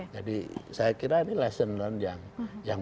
jadi saya kira ini lesson learned yang